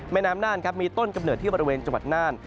น้ำน่านครับมีต้นกำเนิดที่บริเวณจังหวัดน่าน